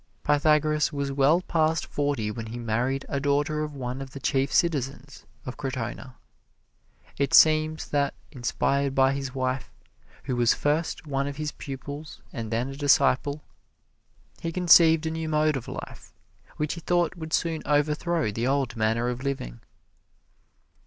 Pythagoras was well past forty when he married a daughter of one of the chief citizens of Crotona. It seems that, inspired by his wife, who was first one of his pupils and then a disciple, he conceived a new mode of life, which he thought would soon overthrow the old manner of living.